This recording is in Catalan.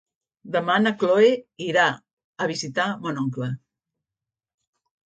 Demà na Cloè irà a visitar mon oncle.